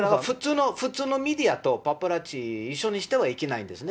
普通のメディアとパパラッチ一緒にしてはいけないんですね。